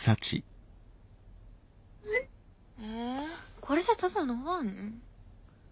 えこれじゃただのファン？